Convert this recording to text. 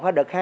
và đợt hai